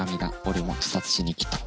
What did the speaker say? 俺も自殺しに来た。